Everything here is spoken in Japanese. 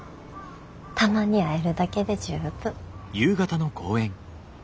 たまに会えるだけで十分。